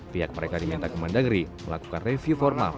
pihak mereka diminta kementerian negeri melakukan review formal